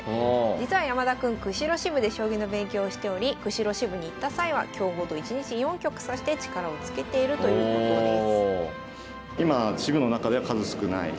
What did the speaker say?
実は山田君釧路支部で将棋の勉強をしており釧路支部に行った際は強豪と一日４局指して力をつけているということです。